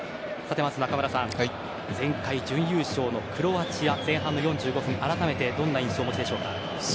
中村さん、前回準優勝のクロアチア前半の４５分、改めてどんな印象をお持ちでしょうか。